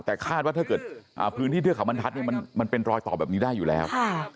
แต่คาดว่าถ้าเกิดพื้นที่เทือกเขาบรรทัศน์มันเป็นรอยต่อแบบนี้ได้อยู่แล้ว